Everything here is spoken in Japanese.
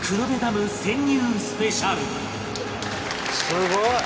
すごい！